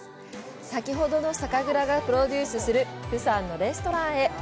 先ほどの酒蔵がプロデュースする釜山のレストランへ！